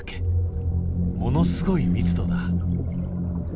ものすごい密度だ。